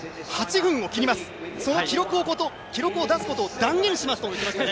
８分を切ります、その記録を出すことを断言しますと。